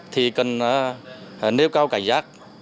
thì cần nêu cao cảnh giác